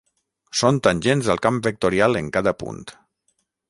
Són tangents al camp vectorial en cada punt.